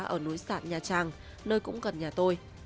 ở núi sạn nha trang nơi cũng gần nhà tôi